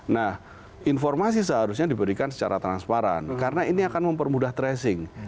nah informasi seharusnya diberikan secara transparan karena ini akan mempermudah tracing